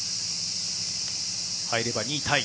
入れば２位タイ。